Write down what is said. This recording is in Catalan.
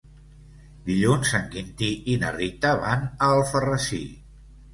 Dilluns en Quintí i na Rita van a Alfarrasí.